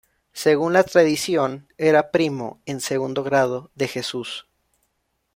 Según la tradición era primo en segundo grado de Jesús.